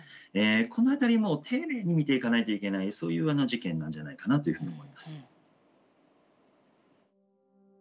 このあたりも丁寧に見ていかないといけないそういう事件なんじゃないかなというふうに思います。